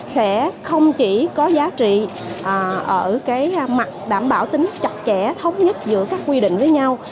sẽ không chỉ có giá trị ở cái mặt đảm bảo tính chặt chẽ thống nhất giữa các quy định với nhau